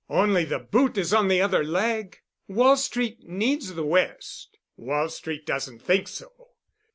Only the boot is on the other leg. Wall Street needs the West. Wall Street doesn't think so.